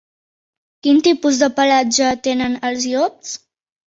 Quin tipus de pelatge tenen els llops?